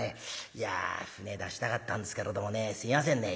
いや舟出したかったんですけれどもねすみませんね」。